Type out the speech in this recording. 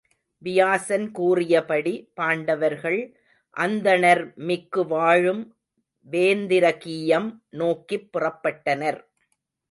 வியாசன் கூறியபடி பாண்டவர்கள் அந்தணர் மிக்கு வாழும் வேந்திரகீயம் நோக்கிப் புறப்பட்டனர்.